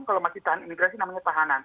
kalau masih tahan imigrasi namanya tahanan